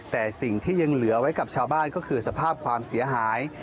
แต่สิ่งที่ยังเหลือไว้กับชาวบ้านก็คือสภาพความเสียหาย